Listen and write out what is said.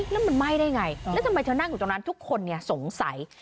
แล้วมันไหม้ได้ไงแล้วทำไมเธอนั่งอยู่ตรงนั้นทุกคนสงสัย